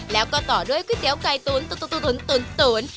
แล้วก็ต่อด้วยก๋วยเตี๋ยวไก่ตูนตูนตูนตูนตูนตูน